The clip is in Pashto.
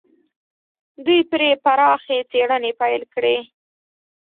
دوی پرې پراخې څېړنې پيل کړې.